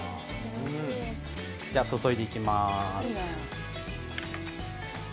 注いでいきます。